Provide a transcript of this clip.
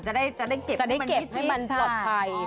จะได้เก็บให้มันปลอดภัย